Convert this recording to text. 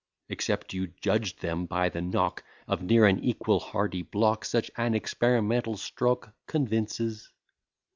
Except you judged them by the knock Of near an equal hardy block; Such an experimental stroke convinces.